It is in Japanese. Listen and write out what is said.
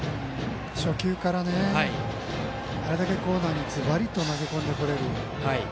初球からあれだけコーナーにずばりと投げ込んでこれる。